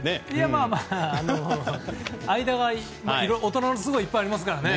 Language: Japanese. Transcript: まあまあ大人の都合がいっぱいありますからね。